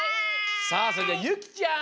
さあそれではゆきちゃん！